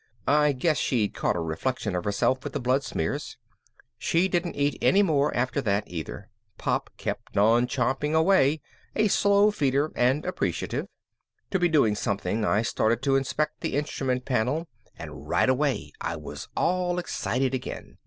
I guess she'd caught a reflection of herself with the blood smears. She didn't eat any more after that either. Pop kept on chomping away, a slow feeder and appreciative. To be doing something I started to inspect the instrument panel and right away I was all excited again.